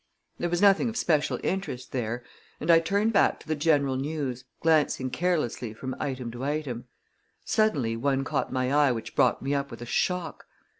There was nothing of special interest there, and I turned back to the general news, glancing carelessly from item to item. Suddenly one caught my eye which brought me up with a shock.